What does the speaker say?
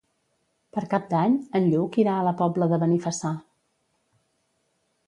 Per Cap d'Any en Lluc irà a la Pobla de Benifassà.